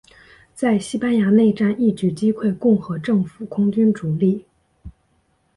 在西班牙内战一举击溃共和政府空军主力。